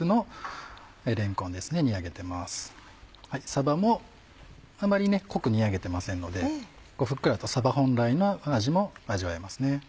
さばもあまり濃く煮上げてませんのでふっくらとさば本来の味も味わえますね。